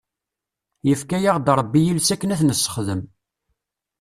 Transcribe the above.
Yefka-aɣ-d Rebbi iles akken ad t-nessexdem.